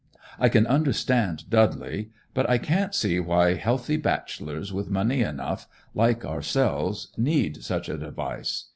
I can understand Dudley; but I can't see why healthy bachelors, with money enough, like ourselves, need such a device.